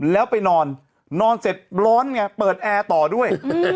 แล้วไปนอนนอนเสร็จร้อนไงเปิดแอร์ต่อด้วย